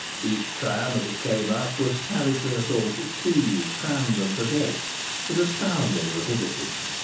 Each tram as it came up was savagely assaulted, seized, crammed and possessed, with astounding rapidity.